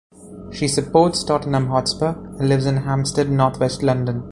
She supports Tottenham Hotspur and lives in Hampstead, north west London.